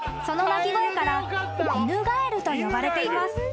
その鳴き声からイヌガエルと呼ばれています］